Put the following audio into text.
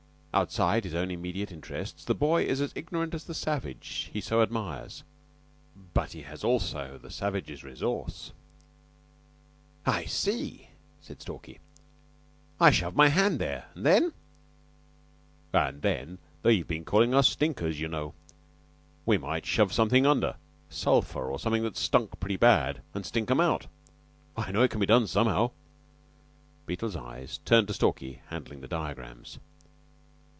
Outside his own immediate interests the boy is as ignorant as the savage he so admires; but he has also the savage's resource. "I see," said Stalky. "I shoved my hand there. An' then?" "An' then.... They've been calling us stinkers, you know. We might shove somethin' under sulphur, or something that stunk pretty bad an' stink 'em out. I know it can be done somehow." Beetle's eyes turned to Stalky handling the diagrams.